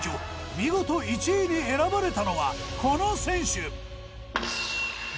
見事１位に選ばれたのはこの選手。